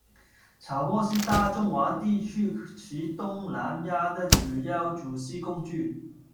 炒锅是大中华地区及东南亚的主要煮食工具。